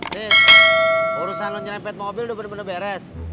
tis urusan lo nyerempet mobil udah bener bener beres